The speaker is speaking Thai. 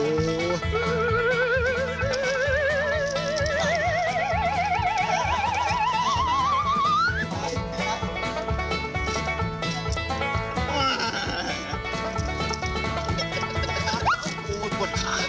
อุ๊ดอุ๊ดอะไรมันหมดไว้